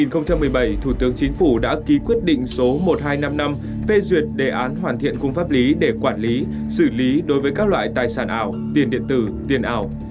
năm hai nghìn một mươi bảy thủ tướng chính phủ đã ký quyết định số một nghìn hai trăm năm mươi năm phê duyệt đề án hoàn thiện khung pháp lý để quản lý xử lý đối với các loại tài sản ảo tiền điện tử tiền ảo